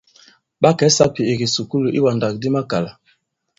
Ɓa kɛ̀ i sāpì ì kìsukulù iwàndàkdi makàlà.